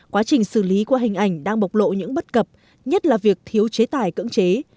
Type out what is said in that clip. quá trình xử lý qua hình ảnh đang bộc lộ những bất cập nhất là việc thiếu chế tài cưỡng chế